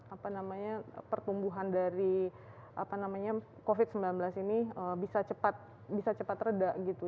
apa namanya pertumbuhan dari covid sembilan belas ini bisa cepat bisa cepat reda gitu